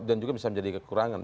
dan juga bisa menjadi kekurangan